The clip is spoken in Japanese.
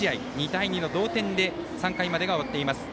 ２対２の同点で３回までが終わっています。